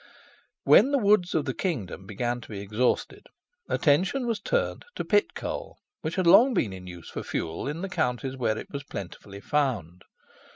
When the woods of the kingdom began to be exhausted, attention was turned to pit coal, which had long been in use for fuel in the counties where it was plentifully found.